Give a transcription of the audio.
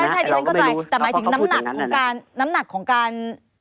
ใช่ดิฉันเข้าใจแต่หมายถึงน้ำหนักของการน้ำหนักของการ